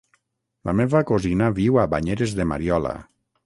La meva cosina viu a Banyeres de Mariola.